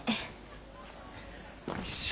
よいしょ。